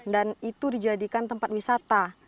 dan itu dijadikan tempat wisata